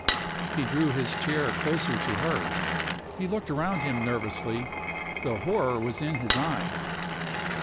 He drew his chair closer to hers. He looked around him nervously, the horror was in his eyes.